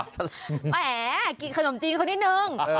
แหมกินขนมจีนเขานิดนึง